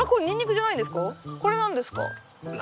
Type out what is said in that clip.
これ何ですか？